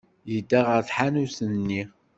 Yedda ɣer tḥanut-nni.